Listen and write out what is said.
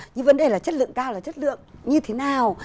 những vấn đề là chất lượng cao là chất lượng như thế nào